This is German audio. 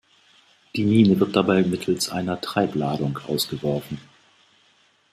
Die Mine wird dabei mittels einer Treibladung ausgeworfen.